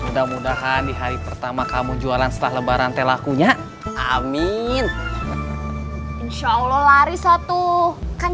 mudah mudahan di hari pertama kamu jualan setelah lebaran telakunya amin insya allah lari satu kan